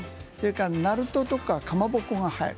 なるととか、かまぼこが入る。